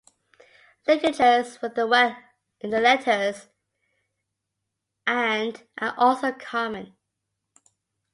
Ligatures with the letters and are also common.